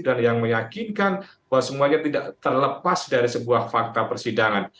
dan yang meyakinkan bahwa semuanya tidak terlepas dari sebuah fakta persidangan